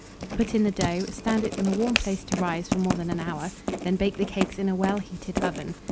Put in the dough; stand it in a warm place to rise for more than an hour; then bake the cakes in a well heated oven.